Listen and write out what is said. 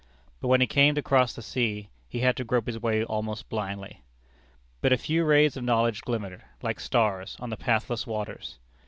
But when he came to cross the sea, he had to grope his way almost blindly. But a few rays of knowledge glimmered, like stars, on the pathless waters.